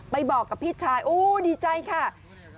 ไปบอกกับผู้ผู้จัดกรรมพิธีชายเดี๋ยวดีใจ